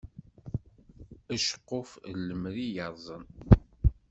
Aceqquf n lemri yerẓen.